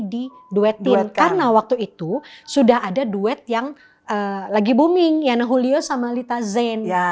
di duet duet karena waktu itu sudah ada duet yang lagi booming yana julio sama lita zen ya